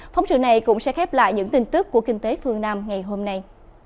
phóng sự này cũng sẽ khép lại những tin tức của kinh tế phương nam ngày hôm nay